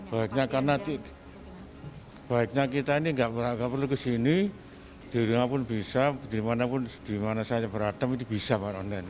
baiknya karena kita ini tidak perlu kesini di rumah pun bisa di mana saja berada bisa pakai online